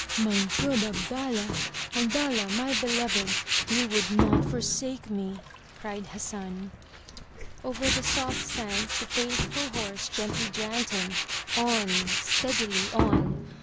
'*My good Abdallah! Abdallah, my beloved! You would not forsake me!" cried Hassan. Over the soft sands the faithful horse gently dragged him — on, steadily on!